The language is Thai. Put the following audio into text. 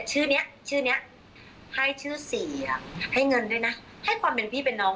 ชื่อนี้ชื่อเนี้ยให้ชื่อสี่อ่ะให้เงินด้วยนะให้ความเป็นพี่เป็นน้อง